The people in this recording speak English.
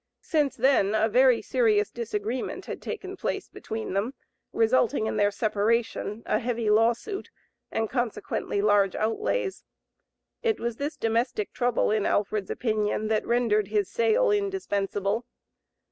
Since then a very serious disagreement had taken place between them, resulting in their separation, a heavy lawsuit, and consequently large outlays. It was this domestic trouble, in Alfred's opinion, that rendered his sale indispensable.